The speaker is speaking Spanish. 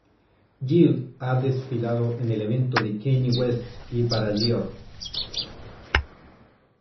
Gill ha desfilado en el evento de Kanye West y para Dior.